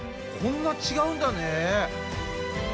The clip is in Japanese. こんな違うんだね！